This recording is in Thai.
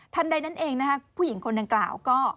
ใดนั้นเองนะฮะผู้หญิงคนดังกล่าวก็